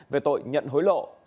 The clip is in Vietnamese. về tội nhận hối lộ